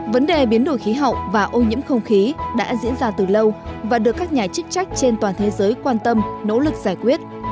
vấn đề biến đổi khí hậu và ô nhiễm không khí đã diễn ra từ lâu và được các nhà chức trách trên toàn thế giới quan tâm nỗ lực giải quyết